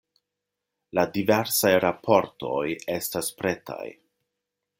La diversaj raportoj estas pretaj!